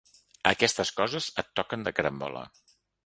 Aquestes coses et toquen de carambola.